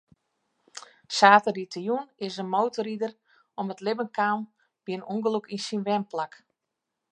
Saterdeitejûn is in motorrider om it libben kaam by in ûngelok yn syn wenplak.